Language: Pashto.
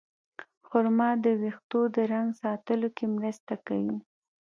خرما د ویښتو د رنګ ساتلو کې مرسته کوي.